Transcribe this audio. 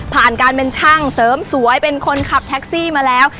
ผ่านการเป็นช่างเสริมสวยเป็นคนขับแท็กซี่มาแล้ว